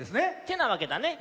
てなわけだね。